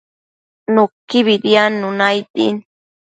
Nuquibi diadnuna aid din